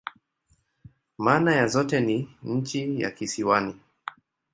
Maana ya zote ni "nchi ya kisiwani.